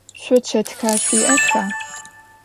Шъо чэтхэр шъуиӏэха?